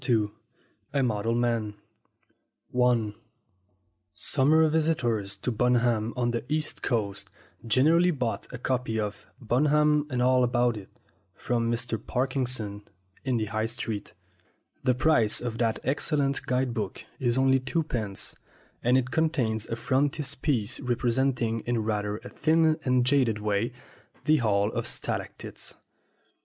II A MODEL MAN SUMMER visitors to Bunham on the East Coast generally bought a copy of "Bunham and All About It" from Mr. Parkinson in the High Street. The price of that excellent guide book is only two pence, and it contains a frontispiece representing, in rather a thin and jaded way, the Hall of Stalactites.